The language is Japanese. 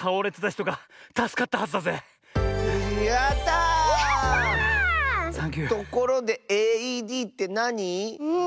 ところでＡＥＤってなに？